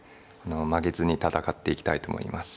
負けずに戦っていきたいと思います。